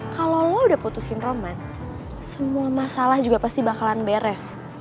kalau lo udah putusin roman semua masalah juga pasti bakalan beres